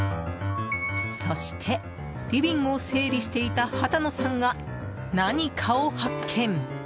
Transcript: そして、リビングを整理していた畑野さんが何かを発見。